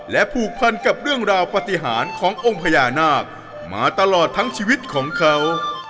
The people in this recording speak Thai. และผูกพันกับเรื่องราวปฏิหารขององค์พญานาคมาตลอดทั้งชีวิตของเขา